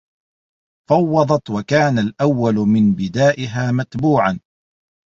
فَوَّضَتْ وَكَانَ الْأَوَّلُ مِنْ بِدَائِهَا مَتْبُوعًا